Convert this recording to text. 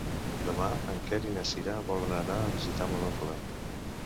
Demà en Quer i na Cira volen anar a visitar mon oncle.